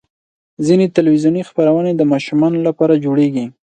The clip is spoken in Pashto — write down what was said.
ځینې تلویزیوني خپرونې د ماشومانو لپاره جوړېږي.